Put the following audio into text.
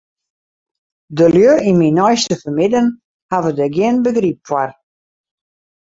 De lju yn myn neiste fermidden hawwe dêr gjin begryp foar.